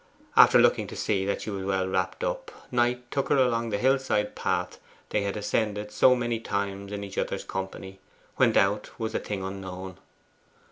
After looking to see that she was well wrapped up, Knight took her along the hillside path they had ascended so many times in each other's company, when doubt was a thing unknown.